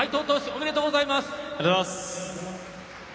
ありがとうございます。